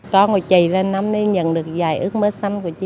có một chị lên năm nay nhận được vài ước mơ xanh của chị